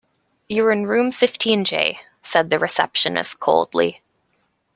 You're in room fifteen J, said the receptionist coldly.